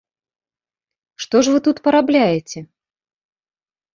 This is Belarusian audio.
Што ж вы тут парабляеце?